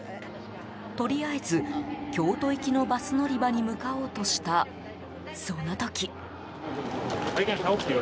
とりあえず京都行きのバス乗り場に向かおうとした、その時。